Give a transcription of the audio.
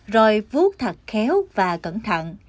rồi vuốt thật khéo và cẩn thận